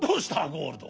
ゴールド。